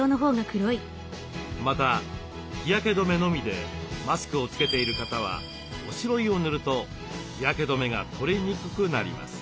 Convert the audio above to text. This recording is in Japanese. また日焼け止めのみでマスクをつけている方はおしろいを塗ると日焼け止めが取れにくくなります。